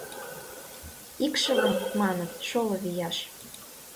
Икшывын, маныт, шоло вияш.